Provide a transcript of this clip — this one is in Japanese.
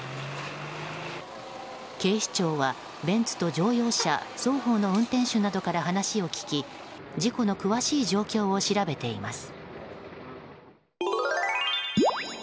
警視庁は、ベンツと乗用車双方の運転手などから話を聞き事故の詳しい状況を調べています。